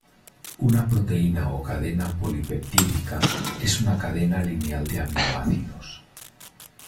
Una proteína o cadena polipeptídica es una cadena lineal de aminoácidos.